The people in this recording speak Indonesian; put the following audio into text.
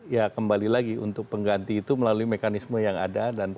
ya kembali lagi untuk pengganti itu melalui mekanisme yang ada